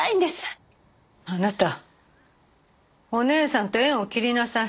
あなたお姉さんと縁を切りなさい。